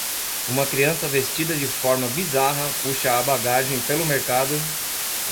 Uma criança vestida de forma bizarra puxa a bagagem pelo mercado